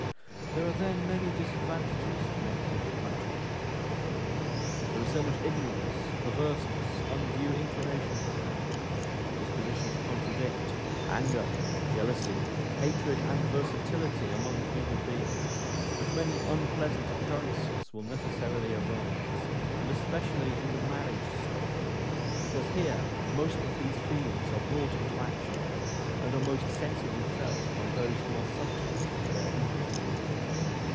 There are then many disadvantages connected with matrimony. There is so much ignorance, perverseness, undue inclination for power, disposition to contradict, anger, jealousy, hatred, and versatility among human beings that many unpleasant occurrences will necessarily arise, and especially in the marriage state, because here most of these feelings are brought into action, and are most sensibly felt by those who are subject to their influence.